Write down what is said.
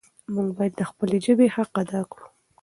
موږ باید د خپلې ژبې حق ادا کړو.